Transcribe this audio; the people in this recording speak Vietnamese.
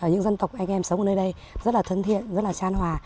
những dân tộc anh em sống ở nơi đây rất là thân thiện rất là tràn hòa